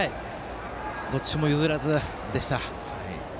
どっちも譲らずでした。